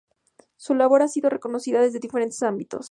Su labor ha sido reconocida desde diferentes ámbitos.